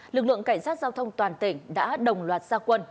lực lượng cảnh sát giao thông toàn tỉnh đã đồng loạt gia quân